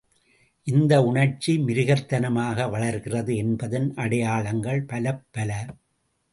இந்த உணர்ச்சி மிருகத்தனமாக வளர்கிறது என்பதன் அடையாளங்கள் பலப்பல.